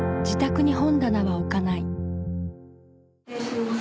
失礼します。